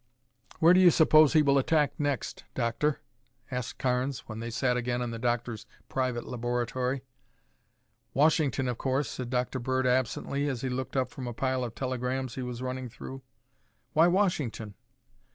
"Where do you suppose he will attack next, Doctor?" asked Carnes when they sat again in the doctor's private laboratory. "Washington, of course," said Dr. Bird absently as he looked up from a pile of telegrams he was running through. "Why Washington?"